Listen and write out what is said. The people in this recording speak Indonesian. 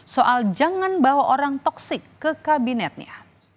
soal jangan bawa orang toxic ke kabinetnya